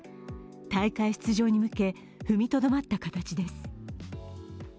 大会出場に向け、踏みとどまった形です。